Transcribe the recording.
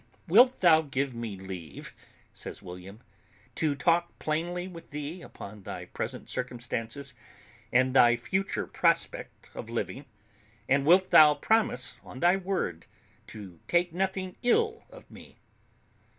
"Wilt thou give me leave," says William, "to talk plainly with thee upon thy present circumstances, and thy future prospect of living? and wilt thou promise, on thy word, to take nothing ill of me?"